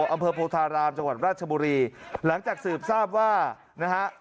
อำเภอโพธารามจังหวัดราชบุรีหลังจากสืบทราบว่านะฮะ